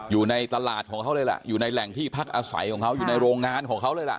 อยู่ในตลาดของเขาเลยล่ะอยู่ในแหล่งที่พักอาศัยของเขาอยู่ในโรงงานของเขาเลยล่ะ